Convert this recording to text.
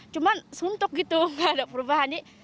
cuma suntuk gitu gak ada perubahan